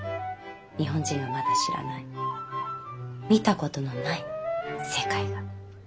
日本人がまだ知らない見たことのない世界が。